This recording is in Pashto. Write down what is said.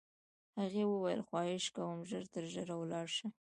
هغې وویل: خواهش کوم، ژر تر ژره ولاړ شه.